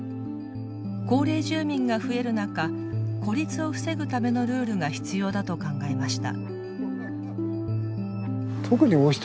高齢住民が増える中孤立を防ぐためのルールが必要だと考えました。